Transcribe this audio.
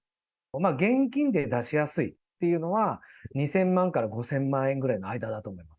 現金で出しやすいというのは、２０００万から５０００万円ぐらいの間だと思うんです。